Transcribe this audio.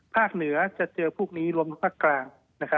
เหนือจะเจอพวกนี้รวมถึงภาคกลาง